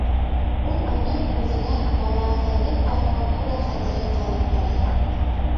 Ул уның үҙенә балаһынып ҡарауына ла хәтере ҡалыңҡырай.